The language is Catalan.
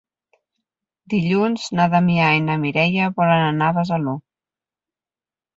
Dilluns na Damià i na Mireia volen anar a Besalú.